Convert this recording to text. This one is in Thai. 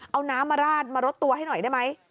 เอาน้ำมาราดมารดตัวให้หน่อยได้ไหม